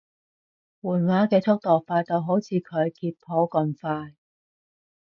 換畫嘅速度快到好似佢揭譜咁快